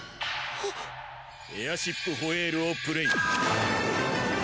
エアシップホエールをプレイ。